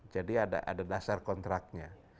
jadi ada dasar kontraknya